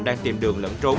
đang tìm đường lẫn trốn